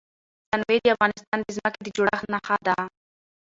تنوع د افغانستان د ځمکې د جوړښت نښه ده.